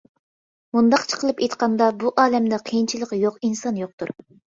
مۇنداقچە قىلىپ ئېيتقاندا، بۇ ئالەمدە قىيىنچىلىقى يوق ئىنسان يوقتۇر.